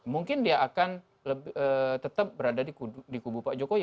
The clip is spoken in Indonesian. mungkin dia akan tetap berada di kubu pak jokowi